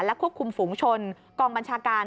ควบคุมฝูงชนกองบัญชาการ